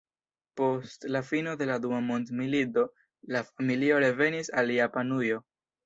Post la fino de la Dua Mondmilito la familio revenis al Japanujo.